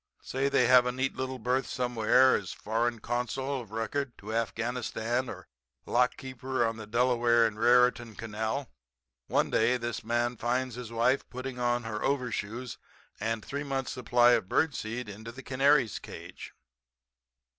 Say, they have a neat little berth somewhere as foreign consul of record to Afghanistan or lockkeeper on the Delaware and Raritan Canal. One day this man finds his wife putting on her overshoes and three months supply of bird seed into the canary's cage.